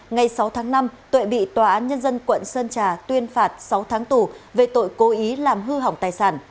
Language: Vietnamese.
ngày sáu tháng năm tuệ bị tòa án nhân dân quận sơn trà tuyên phạt sáu tháng tù về tội cố ý làm hư hỏng tài sản